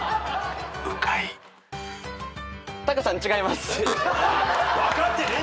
タカさん違います。え！？